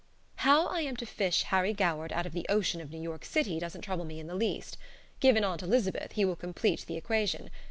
How I am to fish Harry Goward out of the ocean of New York city doesn't trouble me in the least. Given Aunt Elizabeth, he will complete the equation.